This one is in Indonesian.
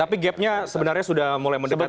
tapi gapnya sebenarnya sudah mulai mendebat